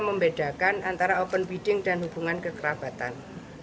membedakan antara open bidding dan hubungan kekerabatan